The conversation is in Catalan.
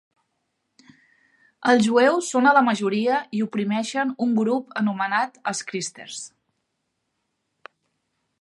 Els jueus són a la majoria i oprimeixen un grup anomenat els Christers.